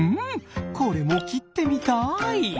んこれもきってみたい！